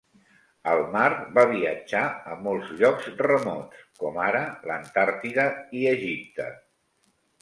Al mar, va viatjar a molts llocs remots, com ara l'Antàrtida i Egipte.